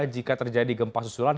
jika terjadi gempa susulan